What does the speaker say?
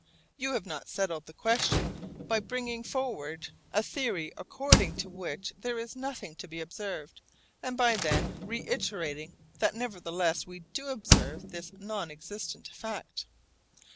You have not settled the question by bringing forward a theory according to which there is nothing to be observed, and by then reiterating that nevertheless we do observe this non existent fact.